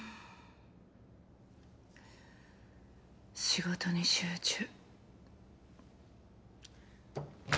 仕事に集中。